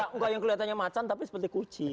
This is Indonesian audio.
enggak enggak yang kelihatannya macan tapi seperti kucing